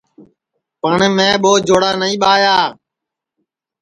پٹؔ میں ٻو جوڑا نائی ٻایا